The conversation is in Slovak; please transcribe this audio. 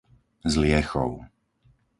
Zliechov